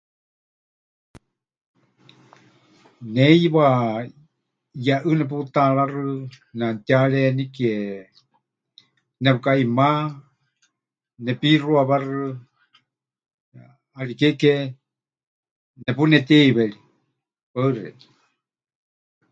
Ne heiwa yeʼɨ́ neputaaráxɨ neʼanutiharénike, nepɨkaʼima, nepixuawáxɨ, ʼariké ke nepunetiheiweri. Paɨ xeikɨ́a.